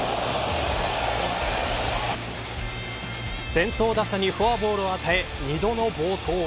先頭打者にフォアボールを与え２度の暴投。